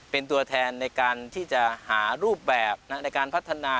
เป็นตัวแทนในการที่จะหารูปแบบในการพัฒนา